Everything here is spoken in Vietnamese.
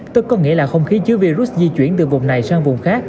tức có nghĩa là không khí chứa virus di chuyển từ vùng này sang vùng khác